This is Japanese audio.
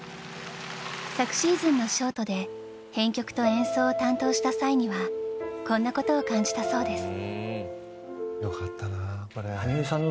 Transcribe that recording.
昨シーズンのショートで編曲と演奏を担当した際にはこんなことを感じたそうです。